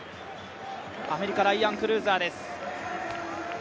アメリカ、ライアン・クルーザーです。